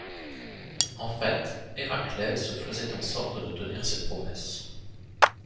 En fait Héraclès faisait en sorte de tenir ses promesses.